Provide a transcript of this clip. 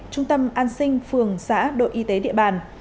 trung tâm an sinh phường xã đội y tế địa bàn